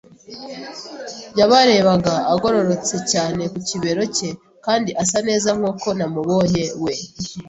yabarebaga, agororotse cyane ku kibero cye, kandi asa neza nkuko namubonye. We